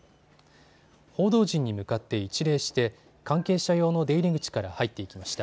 報道陣に向かって一礼して関係者用の出入り口から入っていきました。